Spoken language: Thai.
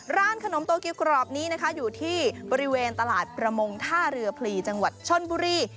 ร้านขนมโตเกียวกรอบนี้นะคะอยู่ที่บริเวณตลาดประมงท่าเรือพลีจังหวัดชนบุรี